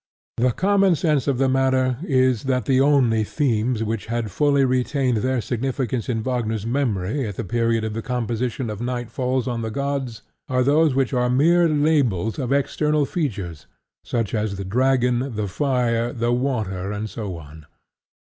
The common sense of the matter is that the only themes which had fully retained their significance in Wagner's memory at the period of the composition of Night Falls On The Gods are those which are mere labels of external features, such as the Dragon, the Fire, the Water and so on.